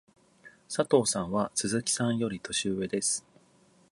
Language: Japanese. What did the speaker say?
佐藤さんは鈴木さんより年上です。